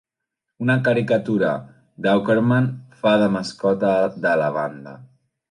Una caricatura d'Aukerman fa de mascota de la banda.